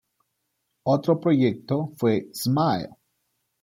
Otro proyecto fue "Smile!